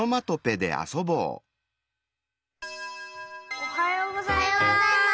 おはようございます！